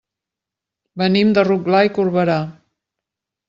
Venim de Rotglà i Corberà.